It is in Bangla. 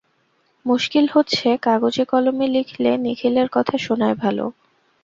মুশকিল হচ্ছে, কাগজে কলমে লিখলে নিখিলের কথা শোনায় ভালো।